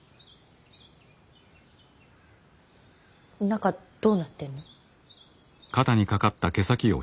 中どうなってんの。